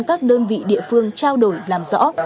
các đơn vị địa phương trao đổi làm rõ